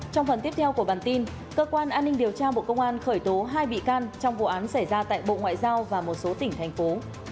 trong phần tiếp theo của bản tin cơ quan an ninh điều tra bộ công an khởi tố hai bị can trong vụ án xảy ra tại bộ ngoại giao và một số tỉnh thành phố